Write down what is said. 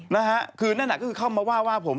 นะฮะคือนั่นน่ะก็คือเข้ามาว่าว่าผม